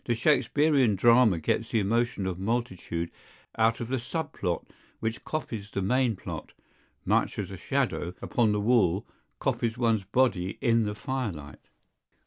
The Shakespearean Drama gets the emotion of multitude out of the sub plot which copies the main plot, much as a shadow upon the wall copies one's body in the firelight.